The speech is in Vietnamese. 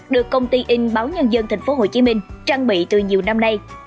được công ty in báo nhân dân tp hcm trang bị từ nhiều năm nay